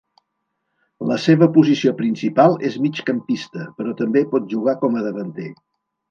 La seva posició principal és migcampista, però també pot jugar com a davanter.